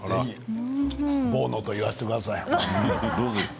ボーノと言わせてください。